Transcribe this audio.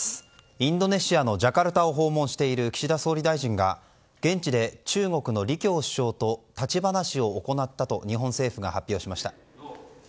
インドネシアのジャカルタを訪問している岸田総理大臣が現地で中国の李強首相と立ち話を行ったと日本政府が発表しました。